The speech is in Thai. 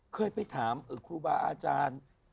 เคยไปถามครูบาอาจารย์